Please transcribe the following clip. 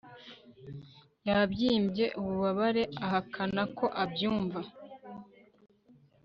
Yabyimbye ububabare ahakana ko abyumva